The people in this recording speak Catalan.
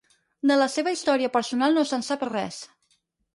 De la seva història personal no se'n sap res.